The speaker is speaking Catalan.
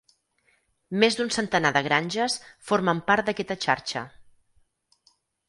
Més d'un centenar de granges formen part d'aquesta xarxa.